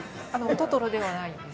トトロではないんです。